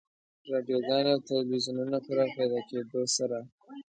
رادیوګانو او تلویزیونونو په راپیدا کېدو سره.